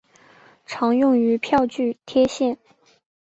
常用于票据贴现。